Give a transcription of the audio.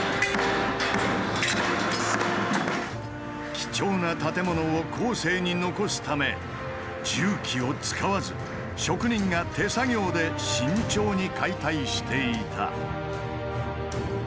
貴重な建物を後世に残すため重機を使わず職人が手作業で慎重に解体していた。